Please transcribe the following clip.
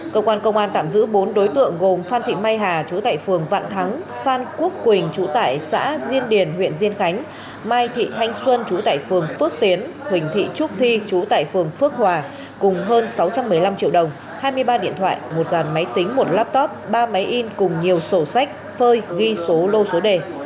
cơ quan công an tạm giữ bốn đối tượng gồm phan thị mai hà chú tại phường vạn thắng phan quốc quỳnh chú tại xã diên điền huyện diên khánh mai thị thanh xuân chú tại phường phước tiến huỳnh thị trúc thi chú tại phường phước hòa cùng hơn sáu trăm một mươi năm triệu đồng hai mươi ba điện thoại một dàn máy tính một laptop ba máy in cùng nhiều sổ sách phơi ghi số lô số đề